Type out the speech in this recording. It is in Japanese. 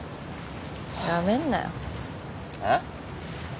辞めんなよ。